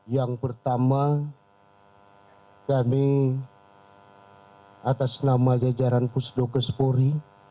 yang pertama kami atas nama jajaran fusdokus polri